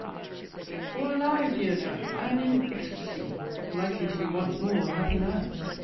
All alive, dear Jack, and in ecstacy! Likely to be once more a happy man!